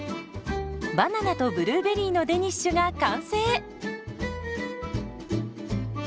バナナとブルーベリーのデニッシュが完成。